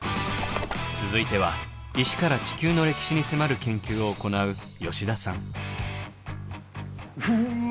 続いては石から地球の歴史に迫る研究を行ううわ